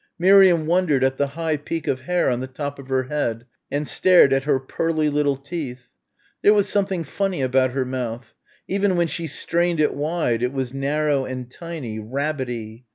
Miriam wondered at the high neat peak of hair on the top of her head and stared at her pearly little teeth. There was something funny about her mouth. Even when she strained it wide it was narrow and tiny rabbity.